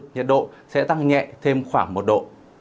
nhiệt độ sẽ tăng nhẹ thêm khoảng một độ